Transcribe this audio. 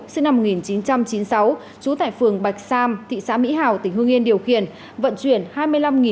sinh năm một nghìn chín trăm chín mươi sáu trú tại phường bạch sam thị xã mỹ hào tỉnh hương yên điều khiển vận chuyển